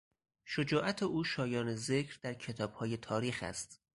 شجاعت او شایان ذکر در کتابهای تاریخ است.